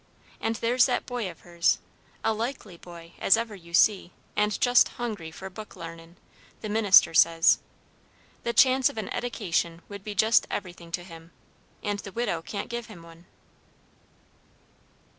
And there's that boy of hers, a likely boy as ever you see, and just hungry for book l'arnin', the minister says. The chance of an eddication would be just everything to him, and the widow can't give him one."